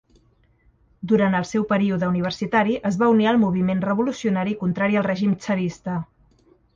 Durant el seu període universitari es va unir al moviment revolucionari contrari al règim tsarista.